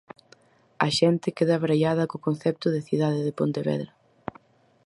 A xente queda abraiada co concepto de cidade de Pontevedra.